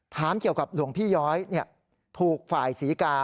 ถามเกี่ยวกับหลวงพี่ย้อยถูกฝ่ายศรีกา